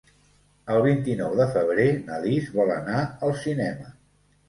El vint-i-nou de febrer na Lis vol anar al cinema.